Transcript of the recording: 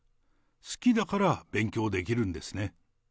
好きだから勉強できるんですね。